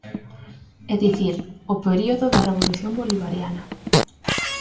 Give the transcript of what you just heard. É dicir, o período da Revolución Bolivariana.